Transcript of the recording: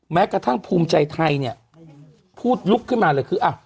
แม้กระทั่งภูมิใจไทยเนี่ยพูดลุกขึ้นมาเลยคืออ่ะ